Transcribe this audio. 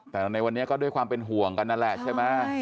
แต่ในวันนี้ก็ด้วยความเป็นห่วงกันนั่นแหละใช่ไหม